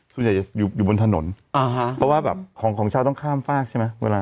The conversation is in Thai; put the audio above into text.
ส่วนใหญ่อยู่บนถนนอ่าฮะเพราะว่าแบบของของเช่าต้องข้ามฟากใช่ไหมเวลา